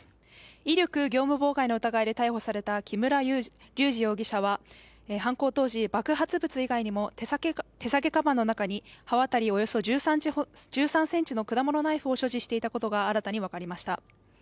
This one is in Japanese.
威力業務妨害の疑いで逮捕された木村隆二容疑者は犯行当時、爆発物以外にも手提げかばんの中に刃渡りおよそ１３ｃｍの果物ナイフを所持していたことが新たに分かりました。